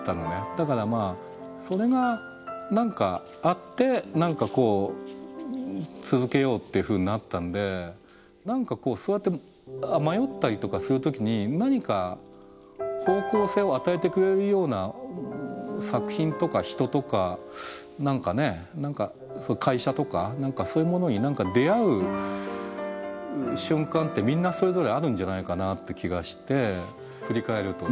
だからまあそれがあって続けようっていうふうになったんでそうやって迷ったりとかする時に何か方向性を与えてくれるような作品とか人とか何かね会社とかそういうものに出会う瞬間ってみんなそれぞれあるんじゃないかなって気がして振り返ると。